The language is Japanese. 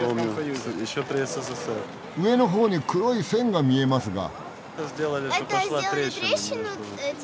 上の方に黒い線が見えますが。